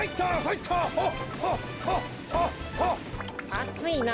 あついな。